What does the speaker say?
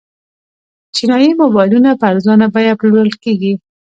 چینايي موبایلونه په ارزانه بیه پلورل کیږي.